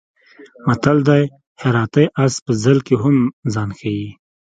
متل دی: هراتی اس په ځل کې هم ځان ښي.